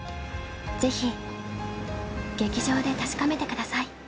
ぜひ劇場で確かめてください。